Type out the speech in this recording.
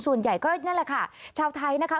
ส่วนใหญ่ก็นั่นแหละค่ะชาวไทยนะคะ